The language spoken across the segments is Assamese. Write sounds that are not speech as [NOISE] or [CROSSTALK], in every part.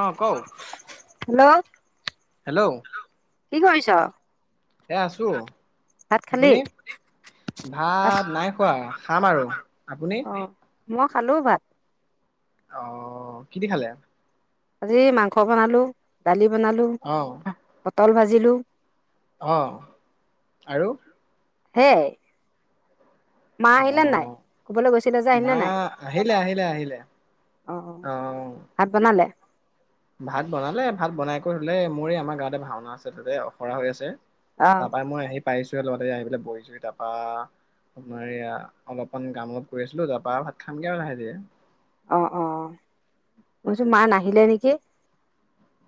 অ কও হেল্ল' হেল্ল' কি কৰিছ? এ আছো ভাত খালি আপুনি? ভাত নাই খোৱা খাম আৰু আপুনি? অ মই খালো ভাত ৷ অহ কি দি খালে? আজি মাংস বনালো দালি বনালো হা কল ভাজিলো অঁ আৰু? হেয়াই মা অ আহিলে নাই কবালে গৈছিলে যে আহিলে মা নাই? আহিলে আহিলে আহিলে অ ভাত বনালে? ভাত বনালে ভাত বনাই লাই মোৰই আমাৰ গাঁৱতে ভাওনা আছোতে অখৰা হৈ আছে ৷ অ তাৰ পৰাই মই আহি পাইছো লগতে আহি পেলাই বহিছো তাপা আপোনাৰ এয়া অলপমান কাম অলপ কৰি আছিলো তাৰপা ভাত খামগে আৰু লাহে ধীৰে৷ অ-অ মছো মা নাহিলে নেকি৷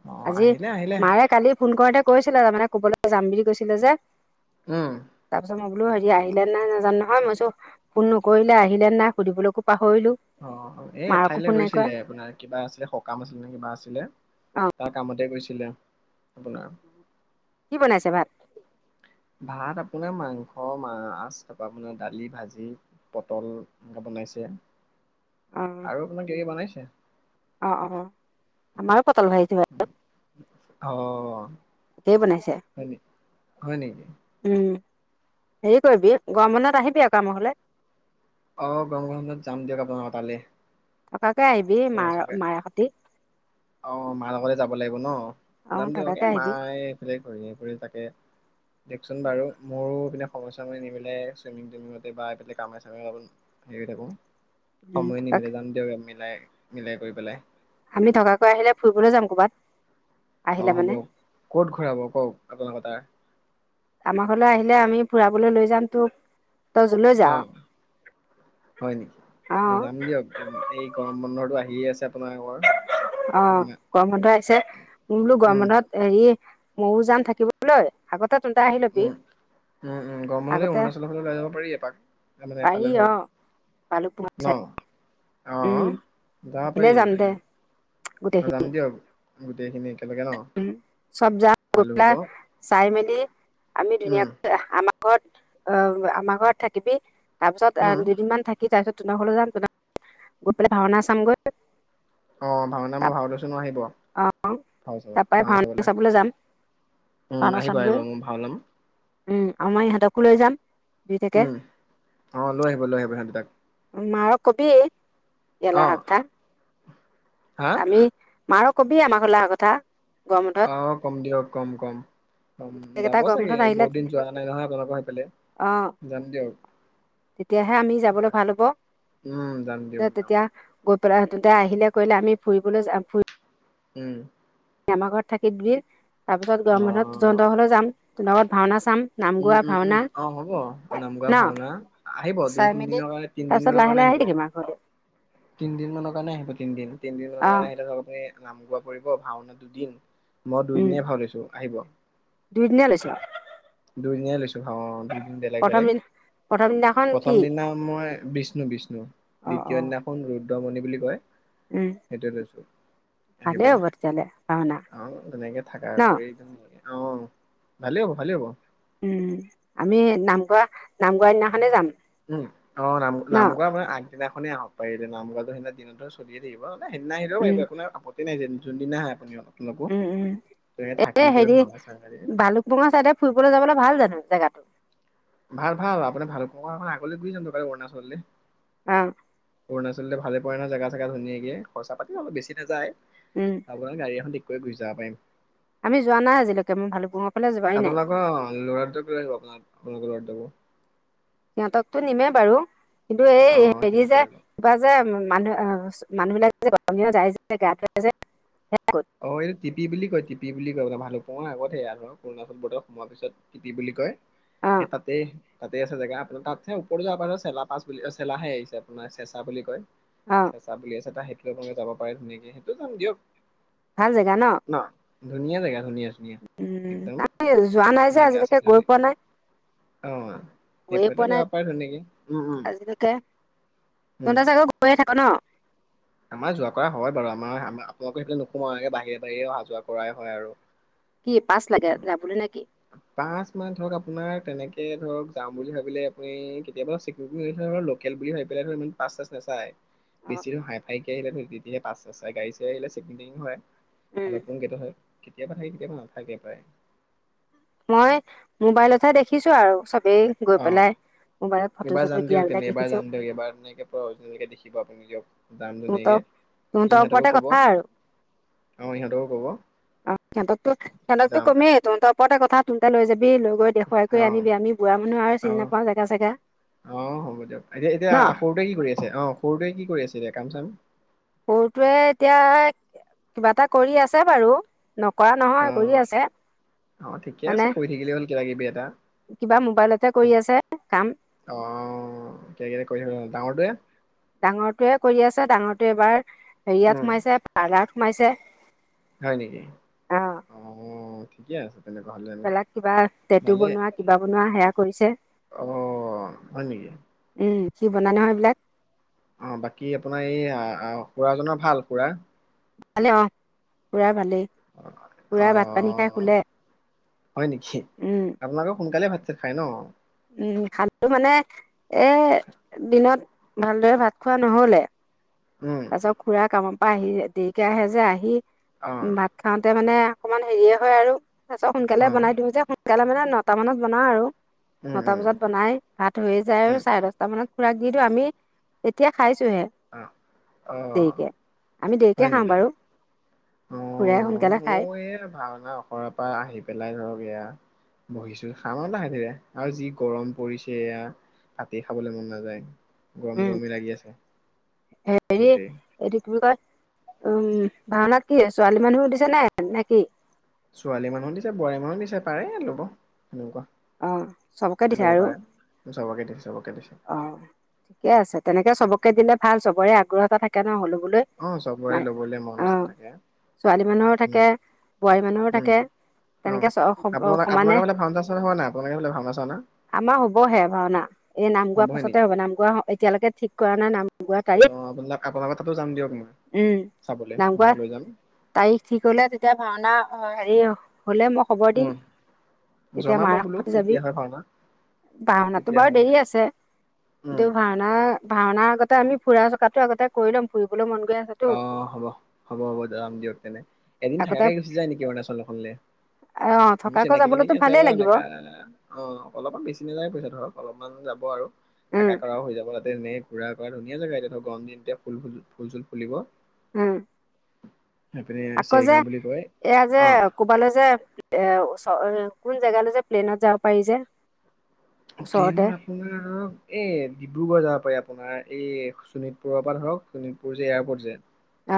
অ আজি আহিলে আহিলে মাৰে কালি ফোন কৰতে কৈছে ছিলে তাৰ মানে ক'বলৈ যাম বুলি কৈছিলে যে উম তাৰপিছত মই বোলো হেৰি আহিলে নাই নাজানো নহয় মই চো ফোন নকৰিলে আহিলে নাই সুধিবলৈকো পা অ হয় এ এঠাইলৈ কৰা গৈছিলে আপোনাৰ কিবা আছিলে সকাম আছিলে নে কিবা আছিলে ৷ অ তাৰ কামতে গৈছিলে ৷ কি বনাইছে ভাত? ভাত আপোনাৰ মাংস মাছ তাৰপা আপোনাৰ দালি ভাজি পটল এনেকে বনাইছে ৷ অহ অ অ আমাৰ পটল ভাজিছো আউ অ একেই বনাইছে হয় নি হয় নেকি উম৷ হেৰি কৰিবি গৰম বনত আহিবি আক কাম ঘলে ৷ অ গৰমবন্ধত যাম দিয়ক আপোনাৰ ক তালে থকাকে আহিবি ফুৰা মাৰ চকা মাৰে সতি ৷ অ মা লগতে যাব লাগিব ন? অ যাম দিয়কে থকাকে এ আহিবি মায়ে এইফালে ঘূৰি ফুৰে তাকে দিয়কচোন বাৰু মোৰো এপিনে সময় চময় নিমিলে চুইমিং টুইমিঙ বা কামে চামে হেৰি হৈ থাকো। উম সময় থকাকে নিমিলে যাম দিয়ক মিলাই। মিলাই কৰি পেলাই। আমি থকাকৈ আহিলে ফুৰিবলৈ যাম কৰ'বাত। অ আহিলে হ'ব মানে ক'ত ঘূৰাব কওক আপোনালোকৰ তাৰ আমাৰ ঘৰলৈ আহিলে আমি ফুৰাবলৈ লৈ যাম তোক তই যলৈ অ যাৱ হয় নেকি যাম অ দিয়ক এই গৰম বন্ধটো আহি হি আছে আপোনাৰ অ গৰম বন্ধ আহিছে মই বোলো গৰম উম বন্ধত হেৰি ময়ো যাম থাকিবলৈ আগত উম উম উম গৰম বন্ধতে আগতে অৰুণাচলৰ ফালে ওলাই যাব পাৰি এপাক মানে পাৰি এফালে অ ধৰক ভালুকপুং ন অ উম যাব সেইফালে পাৰি যাম দে গোটেইখিনি গোটেইখিনিয়ে চব যাম গৈ‌ হ'ব পেলাই চাই মেলি [UNINTELLIGIBLE] আমি উম ধুনীয়াকৈ আমাক ঘৰত অ আমাৰ ঘৰত থাকিবি। তাৰ পিছত উম দুদিনমান থাকি তাৰ পিছত তোমাৰ ঘৰলে যাম গৈ পেলাই ভাওনা চামগৈ অ ভাওনা ত মই ভাও লৈছো নহয় আহিব অ ভাওনা চাবলৈ উম ভাওনা আহিব আহিব চামগৈ মই ভাও লম। উম আমাৰ ইহঁতকো লৈ যাম। দুইটাকে উম অ লৈ আহিব লৈ আহিব সিহঁত দুটাক। মাৰক কবি ইয়ালে অ আহা কথা। হা আমি মাৰক কবি আমাৰ ঘৰলে অহা কথা। গৰম বন্ধত অহ কম দিয়ক কম কম কম এইকেইটা যাব গৰম চাগে বন্ধত আহিলে বহুত দিন যোৱা নাই নহয় আপোনালোকৰ সেইফালে অ যাম দিয়ক তেতিয়াহে আমি যাবলৈ ভাল হ'ব উম যাম দিয়ক যাম। তেতিয়া গৈ পেলাই ইহঁত দুটাই আহিলে কৰিলে আমি ফুৰিবলৈ যাম ফুৰি উম। আমাৰ ঘৰত থাকি দিবি তাৰ পিছত অ গৰম বন্ধত তহন্তৰ ঘৰলৈও যাম। [UNINTELLIGIBLE] ভাওনা চা উম- উম -উম অহ হব নামগোৱা ন ভাওনা আহিব দুই চাই তিন মেলি দিনৰ কাৰণে তিনদিন তাৰপিছত মানৰ লাহে কাৰণে লাহে আহি আহিব। থাকিম আৰু ঘৰলৈ তিনদিনমানৰ কাৰণে আহিব তিনদিন। তিনদিনৰ অ কাৰণে আহি থাকক আপুনি। নাম গোৱা পৰিব ভাওনা দুদিন। মই উম দুইদিনে ভাও লৈছোঁ আহিব। দুইদিনীয়া লৈছো দুইদিনে লৈছোঁ। ইটো হ দুদিন বেলেগ- প্ৰথম বেলেগ দিনা প্ৰথম দিনাখন কি প্ৰথম দিনা মই বিষ্ণু -বিষ্ণু অ অ দ্বিতীয় দিনাখন দমণি বুলি কয়। উম সেইটোয়ে দিছো আহিব ভালেই আৰু হ'ব তেতিয়াহ'লে ভাওনা অহ তেনেকে থাকা ন কৰি দিমগে। অহ, ভালেই হব- ভালেই হব। উম, আমি নামগোৱা- নামগোৱা দিনাখনে যাম। উম, অহ নাম ন -নামগোৱা মানে আগদিনাখন। আপুনি আহক পাৰিলে নাম গানটো সেদিনা দিনতো চলিয়ে থাকিব। এ সেইদিনা আহিলেও উম আহিব আপোনাৰ আপত্তি নাই যেন যোনদিনা আহে আপুনি অহ উম -উম এ হেৰি ভাওনা চাই মেলি ভালুকবমা চাইডে ফুৰিবলৈ যাবলৈ ভাল জানো। জেগাটো। ভাল ভাল আপোনাৰ ভাল [UNINTELLIGIBLE] অৰুণাচললে আওঁ। অৰুণাচলতে ভাল পৰে ন জেগা চেগা ধুনিয়াকে খৰচা পাতি অলপ বেছি নাযায়। উম আপোনাৰ গাড়ী এখন দি গৈ গুচি যাব পাৰিম। আমি যোৱা নাই আজিলৈকে মই ভালুকপুং আপোনালোকৰ অহ লৰটোকো লৈ লব আপোনাৰ আপোনালোকৰ লৰাটোকো। সিহঁতকতো নিমেই বাৰু। কিন্তু এই অ', হেৰি সেইটো যে কৰিব কিবা যে মানুহ আহ মানুহ বিলাকে যে [UNINTELLIGIBLE] অহ, এইটো টিপি বুলি কয় টিপিপ। বুলি কয় মানে ভালুকপুংৰ আগতে সেয়া আৰু অৰুণাচল বৰ্ডাৰ সোমোৱা পিছত টিপি বুলি কয়। অ সেই তাতে তাতে আছে জেগা আপোনাৰ তাতচে ওপৰতো যাব পাৰে চেলা পাছ বুলি চেলাহে আহিছে আপোনাৰ চেচা বুলি কয়। অ চেচা বুলি আছে তাহেইত। [UNINTELLIGIBLE] যাব পাৰে ধুনীয়াকে সেইটো যাম দিয়ক। ভাল জেগা ন। ধুনীয়া জেগ ধুনীয়া ধুনীয়া উম একদম আমি যোৱা নাই যে ধুনীয়াকে আহ আজিলৈকে চতে গৈ পোৱা নাই গৈয়ে পোৱা সেইফালও নাই যাব পাৰে ধুনীয়াকে উম উম আজিলৈকে উম তহঁতে চাগে গৈয়ে থাক ন আমাৰ যোৱা কৰা হয় বাৰু আমাৰ আমাৰ আপোনালোকৰ সেইফালে নোসোমাযে বাহিৰে বাহিৰে অহা যোৱা কৰাই হয় আৰু কি পাছ লাগে যাবলৈ নে। পাঁচ মাহ ধৰক আপোনাৰ তেনেকে ধৰক যাম বুলি ভাবিলে আপুনি কেতিয়াবা চেকৰতি লোকেল বুলি ভাবিপেলাই‌ ধৰি পেলায় পাচ চাছ নাচাই। অ বেছি হাই ফাইকে আহিলে ধৰি লবি তেতিয়া পচ চাচ চাই গাডী চাৰি চেকিং টেকিং হয়। উম ভলপোঙ কেইটা হয় কেতিয়াবা থাকে কেতিয়াবা নাথাকে প্ৰায় মই মোবাইলতহে দেখিছো আৰু চব অ এইবাৰ চটো যাম দিয়া দিয়ক বিলাক তেনে এবাৰ দেখিছো যাম দিয়ক এইবাৰ এনেকে তই অৰজিনেল কে দেখি পাবি নিজেও তহঁতৰ তহঁতৰ ওপৰতে কথা আৰু অ ইহঁতকো ক'ব সিহঁতকো সিহতকতটো যাম কমেই তহঁতক ওপৰত কথা তহঁতে লৈ যাব অ আৰু চিনি আহ নাপাওঁ জেগা চেগা অ হ'ব দিয়ক এতিয়া এতিয়া ন সৰুটোৱে কি কৰি আছে অ সৰুটোৱে কি কৰি আছে এতিয়া কাম চাম সৰুটোৱে এতিয়া কিবা এটা কৰি আছে বাৰু নকৰা অ নহয় কৰি আছে আহ ঠিকে মানে আছে কৰি থাকিলে হ'ল কিব কিবি এটা। কিবা মোবাইলতে উ কৰি আছে কাম অ কেই কৰি থাকিলে হ'ল ডাঙৰটোয়ে ডাঙৰটোৱে কৰি আছে ডাঙৰটোৱে এবাৰ হেৰিয়াত উম সোমাইছে পাৰ্লাৰ সোমাইছে হয় নেকি অ ঠিকে আছে তেনেকুৱা হ'লে এইবিলাক কিবা টেঁটু ভালে বনোৱা কিবা বনোৱা সেয়া কৰিছে উম অ হয় নেকি কি বনাই ন সেইবিলাক অ বাকী আপোনাৰ এই খুৰাজনৰ ভাল খুৰা ভালে অ খুৰাৰ ভালেই অ খুৰা ভাত পানী খাই শুলে হয় নেকি উম আপোনালোকে সোনকালে ভাত খাই ন? উম খালো মানে এ দিনত ভালদৰে ভাত খোৱা নহলে। উম তাৰ পিছত খুৰা কাম প আহি দেকি আহে যে আহি অ ভাত খাওঁতে মানে অকমান হেৰিয়ে হয় আৰু তাৰপাছত অ সোনকালে বনাই দিওঁ যে সোনকালে মানে নটা মানত বনাওঁ আৰু উম নটা উম বজাত বনাই ভাত হৈয়ে যায় উম আৰু চাৰে দচটা মানত খুৰাক দিদেও আমি এতিয়া খাইছোহে অ অ দেৰিকে আমি হয় দেৰিকে খাম নেকি বাৰু। অ খুৰাই সোনকালে খায় মোৰ এই ভাওনা অখৰা পৰা আহি পেলাই ধৰক এয়া বহিছো খাম আৰু লাহে ধীৰে। আৰু যি গৰম পৰিছেয়া ভাতেই খাবলে মন নাযায়। গম উম গৰমি লাগি আছে। হেৰি গোটেই এইটো কিব কয় উম ভাওনাত কি ছোৱালী মানুহো দিছে নাই নে কি? ছোৱালী মানুহ দিছে বোৱাৰী মানুহো দিছে পাৰে লব। সনেকুৱা অ চবকে দিছে লব আৰু পাৰে চাবকে দিছে চাবকে দিছে। অ', ঠিকে আছে তেনেকে চবকে দিলে ভাল চবৰে আগ্ৰহ এটা থাকে ন হ'লো। বোলৈ অ চবৰে লবলৈ মন নিচি অ', থাকে ছোৱালী মানুহৰো উ থাকে বোৱাৰী মানুহৰো উম থাকে অ তেনেকে আপোনা সমানে আপোনালোকে [UNINTELLIGIBLE] হ নাই? আপোনালোকৰ ফালে ভাওনা চাওনা আমাৰ হবহে ভাওনা, এই নাম গোৱাৰ হ'বহে পাছতে নেকি হ'ব নাম গোৱা এতিয়ালৈকে ঠিক কৰা নাই নাম। নাম গোৱা অ তাৰিখ আপোনালোক আপোনালোকৰ তাতো যাম দিয়ক মই উম চাবলৈ নাম মাক গোৱা লৈ যাম তাৰিখ ঠিক হলে তেতিয়া ভাওনা অ হেৰি অ। হলে মই খবৰ দিম, উম তেতিয়া জনাব মাৰ বোলো যাবি কেতিয়া হয় ভাওনা ভাওনাটো কেতিয়া বাৰু হয় দেৰি আছে। কিন্ত উম ভাওনা ভাওনাৰ আগতে আমি ফুৰা চকাতটো আগতে কৰি লম ফুৰিবলৈ মন গ অ হ'ব হ'ব হ'ব যাম দিয়ক তেনে। এদিন আগতে থাকাকে গুচি যায় নেকি অৰুণাচলখনলে? অ', মোৰ থকাকৈ চিনাকি তেনোকি যাবলৈতো আছে ভালেই বাৰু লাগিব এনেকা। অ অলপমান বেছি নাযায় পইচা, ধৰক অলপমান যাব আৰু। উম, থাককা কৰাও হৈ যাব তাতে পুৰা কৰা ধুনীয়া জেগা এতিয়া গৰমদিন এতিয়া ফুল ফুলো- খুলিব উম। আকৌ যে চেৰিগাঁও বুলি কয় এয়া যে অ কবালে যে এ ওচ কোন জেগালে যে প্লেইনত যাব পাৰি যে? ওচৰতে প্লেইনত আপোনাৰ এই ডিব্ৰুগড় যাব পাৰি আ। আপোনাৰ এই শোণিতপুৰৰ পৰা ধৰক শোণিতপুৰ যে এয়াৰপৰ্ট যে।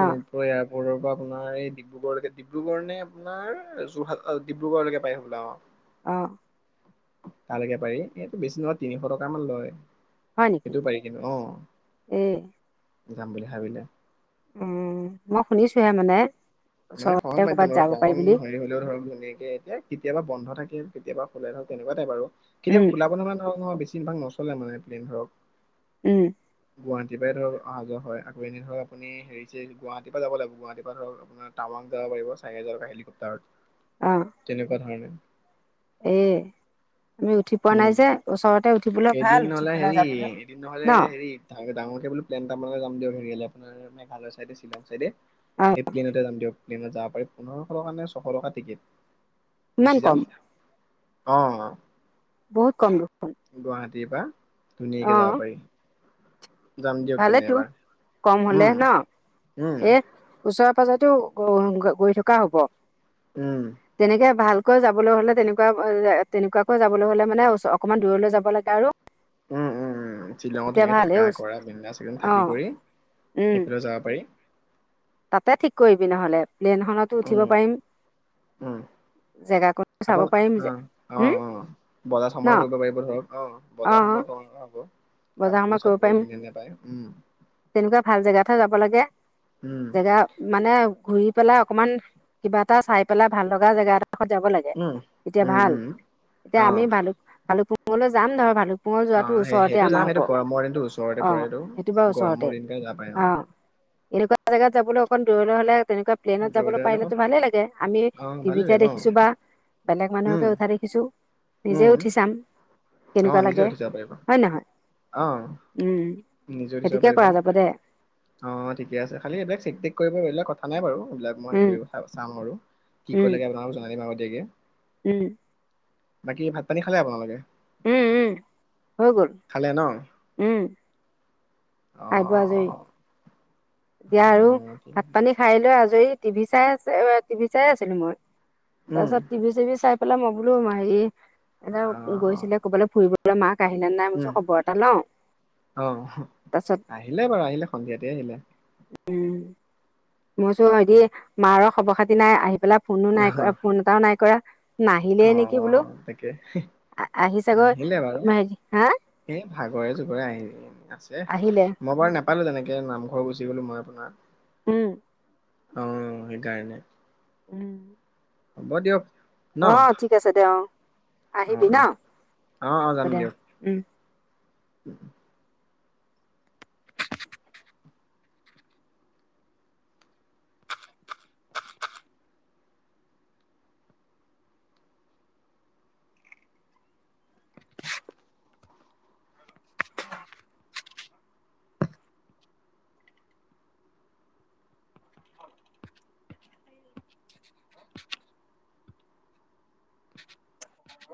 অ', এআৰ ৰৰ পৰা আপোনাৰ এই ডিব্ৰুগড়লৈকে ডিব্ৰুগড় নে আপোনাৰ যোৰহাট ডিব্ৰুগড়লৈকে পাই থাব বো অ আহ। তালৈকে পাৰি। এইটো বেছি নহয় তিনিশ টকা মান লয়। হয় নেকি? সেইটো পাৰি কিন্তু অ এ যাম বুলি ভাবিলে। উম মই শুনিছোহে মানে। মানে ওচৰতে সমাজ মাধ্যম ক'ৰবাত ধৰক যাব পাৰি ককন বুলি হেৰি হলেও ধৰক ধুনীয়াকে এতিয়া কেতিয়াবা বন্ধত থাকে কেতিয়াবা হলে ধৰক তেনেকুৱা টাইপ আৰু কেতিয়া উম, খোলা বনহা নহ নহয়ছি [UNINTELLIGIBLE] িন ভাগ নচলে মানে প্লেইন ধৰক উম গুৱাহাটীৰ পৰাই ধৰক অহা যোৱা হয় আক এই ধৰক আপুনি হেৰি চ গুৱাহাটীৰ পৰা যাব লাগিব গুৱাহাটীৰ পৰা ধৰক আপোনাৰ টাৱাং যাব পাৰ চাৰহেজৰকা হেলিকপ্তাৰত তেনেকুৱা ধৰণে এ আমি উঠি পোৱা উম নাই যে ওচৰতে উঠ এদিন নহলে হেৰি এদিন নহলে ন অ', হেৰি ডাঙৰকে বো প্লেন আপোনালোক যাম দিয় হেৰিয়লে আপোনাৰ মেঘালয় চাইদে শ্বিলং চাইডে ৷ এই প্লেনতে যাম দিয়ক ৷ যাব পাৰি পোন্ধৰশ টকা নে ছশ টকা টিকট ৷ ইমান কম? অ বহুত কম দ গুৱাহাটীৰ পৰা ধুনীয়াকে অ', যাব পাৰি ৷ ভালেতো কম হলে উম ন উম এ ওচৰ পাজতো গৈ থকা হ'ব ৷ উম তেনেকে ভাল ৷ তই যাবলৈ হলে তেনেকুৱা তেনেকুৱাকৈ যাবলৈ হলে মানে অকমান দূৰলৈ যাব লাগে আৰু উম-উম-উম শ্বিলঙত তেতিয়া তেনেকে ভাল এই থাকা কৰা বিন্দাচ অ থাকি কৰি উম সেইফালেও যাব পাৰি ৷ তাতে ঠিক কৰিবি নহলে৷ লেনখনতো উঠিব উম পাৰিম উম জেগাকো আপোন চাব পাৰিম অ অ হম অ বজাৰ সমাৰ ন? কৰিব পাৰিব ধৰক অ অ বজাৰ সমনৰ কব হ'ব [UNINTELLIGIBLE] বজাৰ সমাৰ কৰিব চাপোৰ পাৰিম ধুনীয়া ধুনীয়া পায় উম তেনেকুৱা ভাল জেগাতহে যাব লাগে উম জেগা মানে ঘূৰি পেলাই অকমান কিবা এটা চাই পেলাই ভাল লগা জেগাত যাব লাগে উম তেতিয়া উম ভাল উম এতিয়া অ আমি ভালুক ভালুকপু মলৈ যাম ধৰ ভালক মোৰ যোৱাতো ওচৰত। এইটো যাম এইটো গৰমৰ দিনটো ওচৰতে পৰে টো। সেইটো বাৰু এইটো ওচৰতে গৰমৰ দিন কাৰণে যাব পাৰে অ। এনেকুৱা জেগাত যাবলৈ অকণ দূৰলৈ হ'লে তেনেকুৱা প্লেইনত যাবলৈ দৌৰালে পাৰিলেতো ভালেই লাগে। আমি অ ভালে টিভিতহে লাগিব অ দেখিছো বা বেলেগ উম মানুহকে উঠা দেখিছো। নিজে উম উঠি চাম। অ কেনেকুৱা নিজে লাগে উঠি যাব পাৰিব হয়, নহয়? অ উম, নিজে উঠি সেইটোকে পাৰিব কৰা যাব দে। অ, ঠিকে আছে। খালি এইবিলাক চেক টেক কৰিব, বেলেগ কথা নাই বাৰু। এইবিলাক মই হেই উম কৰি চাম আৰু কি উম কৰিলে কেনেকুৱা হব জনাই দিম আও। গে উম। বাকী ভাত পানী খালে আপোনালোকে? উম। উম। হৈ গ'ল। খালে ন উম। অ খাই বৈ আজৰি। এতিয়া আৰু উম ঠিক ভাত আছে। পানী খাই লৈ আজৰি টিভি চাই আছে টিভি চাই আছিলো মই। উম তাপিছত টিভি চিভি চাই পেলাই মই বোলো মাৰি অ এ অ গৈছিলে ক'বালৈ ফুৰিব কমাক উম অ। তাৰপিছত আহিলে বাৰু, আহিলে সন্ধিয়াতে আহিলে। উম। মই চো হদি মাৰৰ খবৰ খাতি নাই আহি পেলাই ফোনো নাই অহ কৰা, ফোন এটাও নাই কৰা। নাহিলে অ, নেকি বোলো তাকে। আহি চাগৈ আহিলে বাৰু। হেৰি হা এ ভাগৰে জগৰে আহি আছে। যে আহিলে মবাই নাই। নাপালো তেনেকে। নামঘৰ গুচি গলো মই আপোনাৰ। উম। অ, সেইকাৰণে। উম। হ'ব দিয়ক। ন অ ঠিক আছে দে অ অ আহিবি ন অ হ'ব দে উম। উম।